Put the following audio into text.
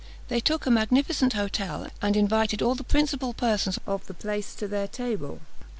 They took a magnificent hotel, and invited all the principal persons of the place to their table.